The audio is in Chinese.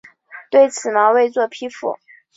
对此毛未作批复。